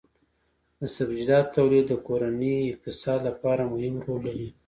د سبزیجاتو تولید د کورني اقتصاد لپاره مهم رول لري.